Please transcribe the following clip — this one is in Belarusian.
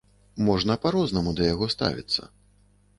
Можна па-рознаму да яго ставіцца.